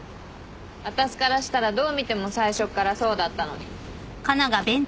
私からしたらどう見ても最初っからそうだったのに。